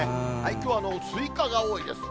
きょうはスイカが多いですね。